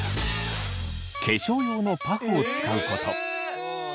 化粧用のパフを使うこと。